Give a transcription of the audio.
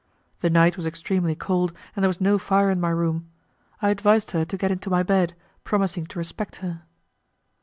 The night was extremely cold, and there was no fire in my room. I advised her to get into my bed, promising to respect her.